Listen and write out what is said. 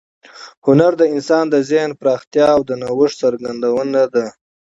هنر د انسان د ذهن پراختیا او د نوښت څرګندونه ده.